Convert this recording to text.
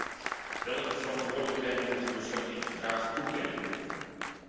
Welke verantwoordelijkheden moeten we ze in verdragen toekennen?